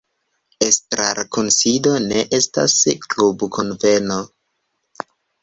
Estrarkunsido ne estas klubkunveno.